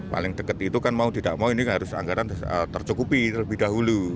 paling dekat itu kan mau tidak mau ini harus anggaran tercukupi terlebih dahulu